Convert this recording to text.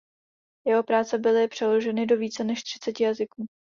Jeho práce byly přeloženy do více než třiceti jazyků.